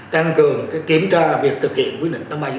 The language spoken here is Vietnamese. căng cường kiểm tra việc thực hiện quyết định tám nghìn ba trăm chín mươi bốn